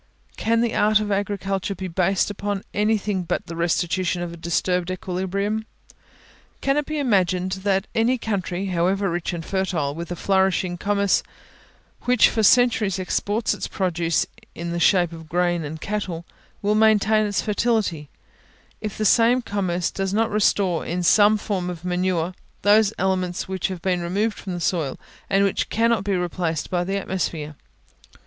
Can the art of agriculture be based upon anything but the restitution of a disturbed equilibrium? Can it be imagined that any country, however rich and fertile, with a flourishing commerce, which for centuries exports its produce in the shape of grain and cattle, will maintain its fertility, if the same commerce does not restore, in some form of manure, those elements which have been removed from the soil, and which cannot be replaced by the atmosphere?